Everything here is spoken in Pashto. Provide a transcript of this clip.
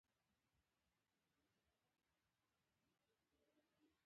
د سیمې دیموکراسي پلوو ځواکونو ته زیان اړولی دی.